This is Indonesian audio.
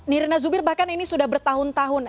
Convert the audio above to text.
mirina yubir bahkan ini sudah bertahun tahun